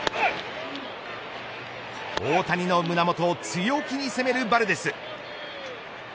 大谷の胸元を強気に攻めるバルデス。